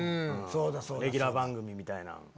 レギュラー番組みたいなん。